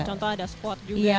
contohnya ada squat juga